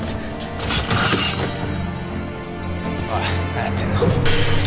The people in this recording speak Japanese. おい何やってんの